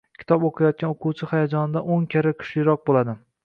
kitob o’qiyotgan o’quvchi hayajonidan o’n karra kuchliroq bo’ladi.